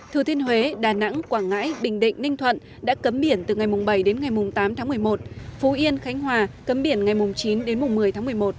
thừa thiên huế đà nẵng quảng ngãi bình định ninh thuận đã cấm biển từ ngày bảy đến ngày tám tháng một mươi một phú yên khánh hòa cấm biển ngày chín đến một mươi tháng một mươi một